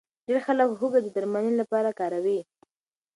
ډېر خلک هوږه د درملنې لپاره کاروي.